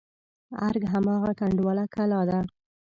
ارګ هماغه کنډواله کلا ده.